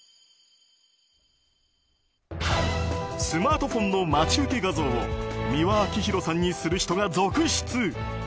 スマートフォンの待ち受け画像を美輪明宏さんにする人が続出。